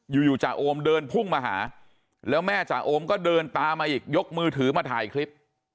อยู่อยู่จ่าโอมเดินพุ่งมาหาแล้วแม่จ่าโอมก็เดินตามมาอีกยกมือถือมาถ่ายคลิป